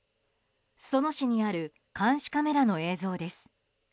裾野市にある監視カメラの映像です。